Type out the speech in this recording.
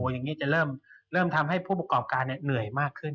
อย่างนี้จะเริ่มทำให้ผู้ประกอบการเหนื่อยมากขึ้น